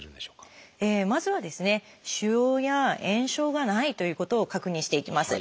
まずは腫瘍や炎症がないということを確認していきます。